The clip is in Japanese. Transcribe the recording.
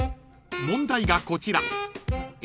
［問題がこちら］